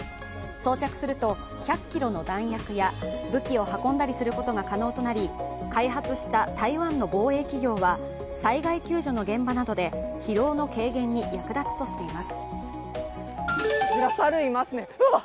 装着すると１００ｋｇの弾薬や武器を運んだり、時速６キロで走ったりすることが加能となり開発した台湾の防衛企業は災害救助の現場などで疲労の軽減に役立つとしています。